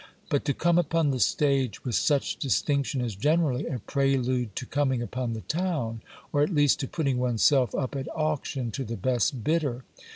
But to come upon the stage with such distinction, is generally a prelude to coming upon the town ; or at least to putting one's self up at auction to the best bidder.